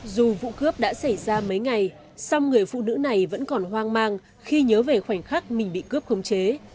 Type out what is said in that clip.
dù vụ cướp đã xảy ra mấy ngày song người phụ nữ này vẫn còn hoang mang khi nhớ về khoảnh khắc mình bị cướp khống chế